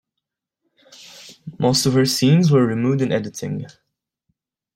Most of her scenes were removed in editing.